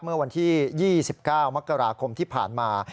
เมื่อวันที่๒๙มกราคมที่ผ่านมา